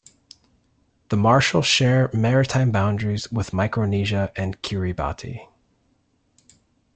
The Marshalls share maritime boundaries with Micronesia and Kiribati.